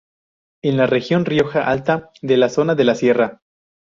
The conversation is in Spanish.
En la región Rioja Alta, de la zona de Sierra.